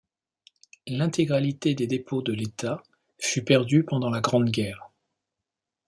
L'intégralité des dépôts de l'État fut perdue pendant la Grande Guerre.